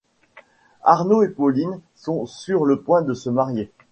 Arnaud et Pauline sont sur le point de se marier.